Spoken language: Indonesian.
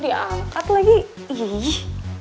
diangkat lagi iiih